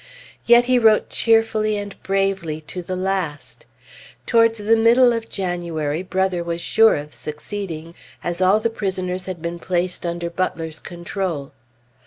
Yet he wrote cheerfully and bravely to the last. Towards the middle of January, Brother was sure of succeeding, as all the prisoners had been placed under Butler's control.